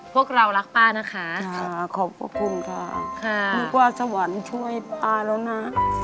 พวกเรารักป้านะคะขอบพระคุณค่ะนึกว่าสวรรค์ช่วยป้าแล้วนะ